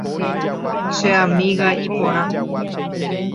Che amiga iporã.